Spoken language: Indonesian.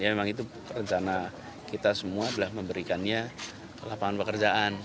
memang itu perencana kita semua adalah memberikannya ke lapangan pekerjaan